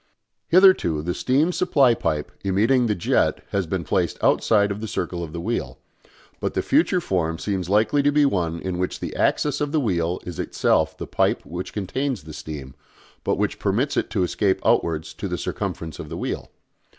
Hitherto the steam supply pipe emitting the jet has been placed outside of the circle of the wheel; but the future form seems likely to be one in which the axis of the wheel is itself the pipe which contains the steam, but which permits it to escape outwards to the circumference of the wheel.